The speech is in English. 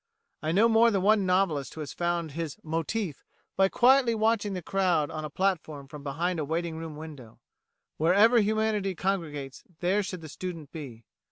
I know more than one novelist who has found his "motif" by quietly watching the crowd on a platform from behind a waiting room window. Wherever humanity congregates there should the student be.